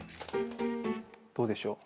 どうでしょう？